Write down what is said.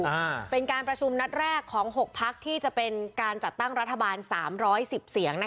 อ่าเป็นการประชุมนัดแรกของหกพักที่จะเป็นการจัดตั้งรัฐบาลสามร้อยสิบเสียงนะคะ